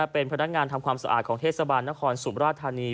เป็นพนักงานทำความสะอาดของเทศบาลนครสุมราชธานี